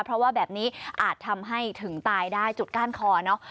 เพราะว่าแบบนี้อาจทำให้ถึงตายได้จุดก้านคอเนอะ